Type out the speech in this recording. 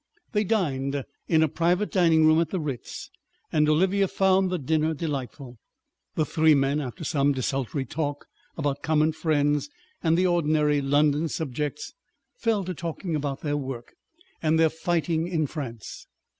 They dined in a private dining room at the "Ritz," and Olivia found the dinner delightful. The three men, after some desultory talk about common friends and the ordinary London subjects, fell to talking about their work and their fighting in France.